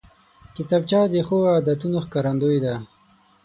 کتابچه د ښو عادتونو ښکارندوی ده